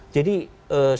jadi saya sudah